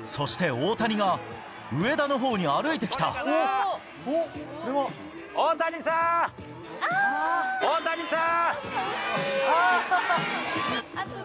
そして大谷が、上田のほうに来ねぇかなー、大谷さん！